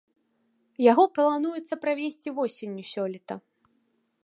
Яго плануецца правесці восенню сёлета.